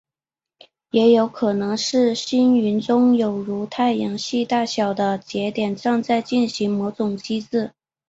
也有可能是星云中有如太阳系大小的节点正在进行某些机制。